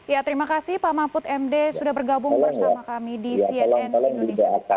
ya terima kasih pak mahfud md sudah bergabung bersama kami di cnn indonesia newsroom